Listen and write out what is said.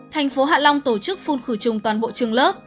tp hạ long tổ chức phun khử trùng toàn bộ trường lớp